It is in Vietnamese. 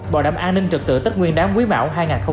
bảo đảm an ninh trật tự tất nguyên đám quý mạo hai nghìn hai mươi ba